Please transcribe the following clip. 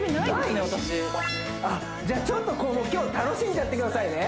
あっじゃあちょっとここ今日楽しんじゃってくださいね